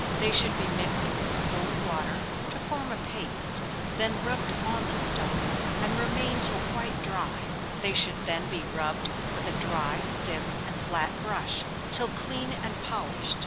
They should be mixed with cold water, to form a paste, then rubbed on the stoves, and remain till quite dry they should then be rubbed with a dry, stiff, and flat brush, till clean and polished.